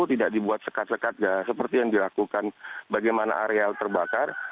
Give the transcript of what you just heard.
tidak dibuat sekat sekat seperti yang dilakukan bagaimana areal terbakar